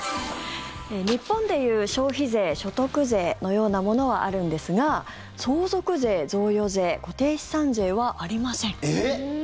日本でいう消費税、所得税のようなものはあるんですが相続税、贈与税、固定資産税はありません。